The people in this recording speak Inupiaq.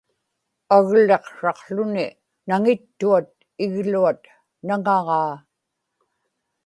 agliqsraqłuni naŋittuat igluat naŋaġaa